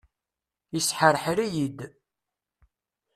Isḥerḥer-iyi-d.